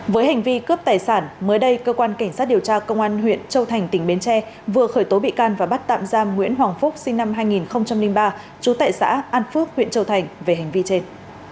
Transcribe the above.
với hành vi cướp tài sản mới đây cơ quan cảnh sát điều tra công an huyện châu thành tỉnh bến tre vừa khởi tố bị can và bắt tạm giam nguyễn hoàng phúc sinh năm hai nghìn ba trú tại xã an phước huyện châu thành về hành vi trên